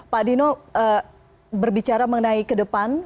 pak dino berbicara mengenai ke depan